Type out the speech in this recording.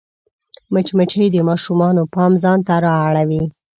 مچمچۍ د ماشومانو پام ځان ته رااړوي